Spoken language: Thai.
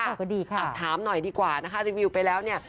ก็ดีค่ะถามหน่อยดีกว่านะคะรีวิวไปแล้วเนี่ย